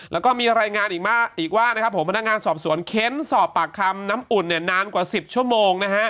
แล้วก็มีรายงานอีกว่านะครับผมพนักงานสอบสวนเค้นสอบปากคำน้ำอุ่นนานกว่า๑๐ชั่วโมงนะฮะ